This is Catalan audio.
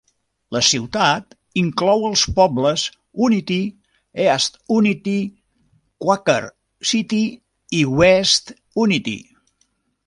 La ciutat inclou els pobles Unity, East Unity, Quaker City i West Unity.